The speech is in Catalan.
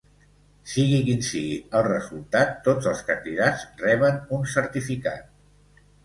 Sigui quin sigui el resultat, tots els candidats reben un certificat.